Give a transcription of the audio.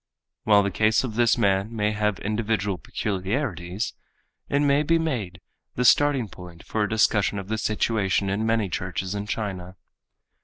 While the case of this man may have individual peculiarities, it may be made the starting point for a discussion of the situation in many churches in China.